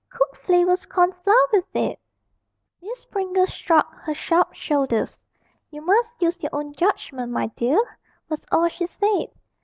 Cook flavours corn flour with it!' Miss Pringle shrugged her sharp shoulders: 'You must use your own judgment, my dear,' was all she said.